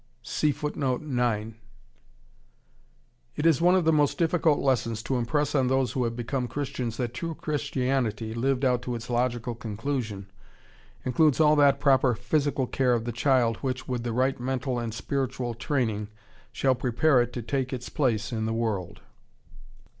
It is one of the most difficult lessons to impress on those who have become Christians that true Christianity, lived out to its logical conclusion, includes all that proper physical care of the child which, with the right mental and spiritual training, shall prepare it to take its place in the world.